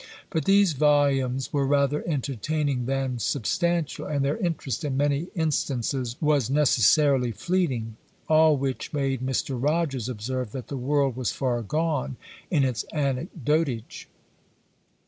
But these volumes were rather entertaining than substantial, and their interest in many instances was necessarily fleeting; all which made Mr. Rogers observe, that the world was far gone in its anecdotage.